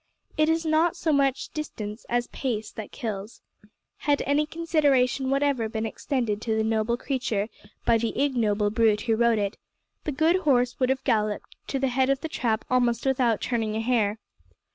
It is not so much distance as pace that kills. Had any consideration whatever been extended to the noble creature by the ignoble brute who rode it, the good horse would have galloped to the head of the Trap almost without turning a hair.